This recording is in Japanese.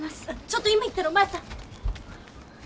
ちょっと今行ったらお前さん。